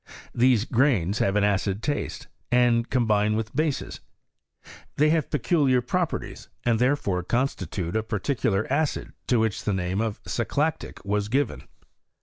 These grains have an acid taste, and combine with bases : they have peculiar properties, and therefore constitute a par ticular acid, to which the name of saclactic was given.